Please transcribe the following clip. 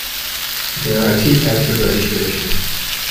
There are two types of registration.